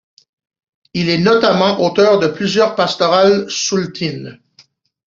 Il est notamment auteur de plusieurs pastorales souletines.